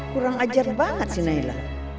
kurang ajar banget sih naila